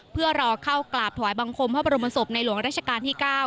เพื่อรอเข้ากราบถวายบังคมพระบรมศพในหลวงราชการที่๙